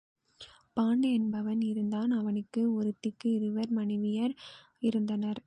Bond என்பவன் இருந்தான் அவனுக்கு ஒருத்திக்கு இருவர் மனைவியர் இருந்தனர்.